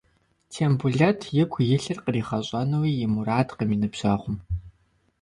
Тембулэт игу илъыр къригъэщӏэнуи и мурадкъым и ныбжьэгъум.